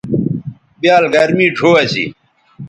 بیال گرمی ڙھو اسی